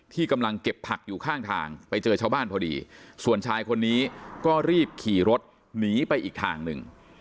กำลังเก็บผักอยู่ข้างทางไปเจอชาวบ้านพอดีส่วนชายคนนี้ก็รีบขี่รถหนีไปอีกทางหนึ่ง